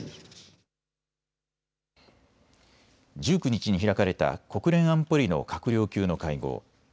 １９日に開かれた国連安保理の閣僚級の会合。